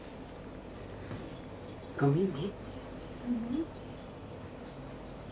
ごめんね。